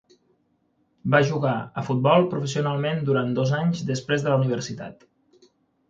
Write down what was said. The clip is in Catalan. Va jugar a fútbol professionalment durant dos anys després de la universitat.